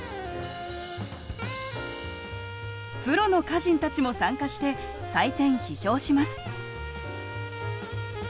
プロの歌人たちも参加して採点批評します。